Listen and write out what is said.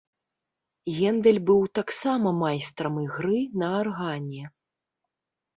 Гендэль быў таксама майстрам ігры на аргане.